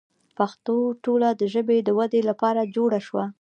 پښتو ټولنه د ژبې د ودې لپاره جوړه شوه.